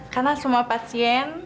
karena semua pasien